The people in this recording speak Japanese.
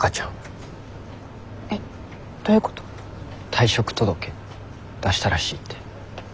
退職届出したらしいって。